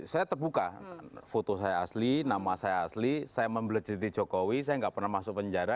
saya terbuka foto saya asli nama saya asli saya membelejati jokowi saya nggak pernah masuk penjara